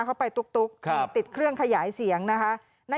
เข้าไปตุ๊กติดเครื่องขยายเสียงนะคะ